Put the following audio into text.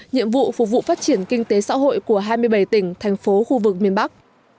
nhiệm vụ phục vụ phát triển kinh tế xã hội của tổng công ty điện lực miền bắc